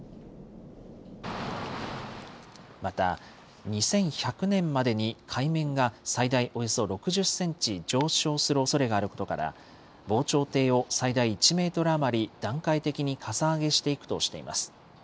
また、２１００年までに海面が最大およそ６０センチ上昇するおそれがあることから、防潮堤を最大１メートル余り段階的にかさ上げしていくとしています。